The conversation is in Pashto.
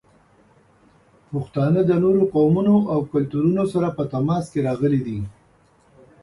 پښتانه د نورو قومونو او کلتورونو سره په تماس کې راغلي دي.